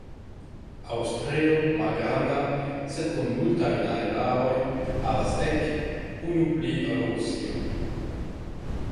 Aŭstrio, malgranda, sed kun multaj najbaroj, havas dek, unu pli ol Rusio.